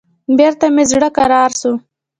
بېرته مې زړه کرار سو.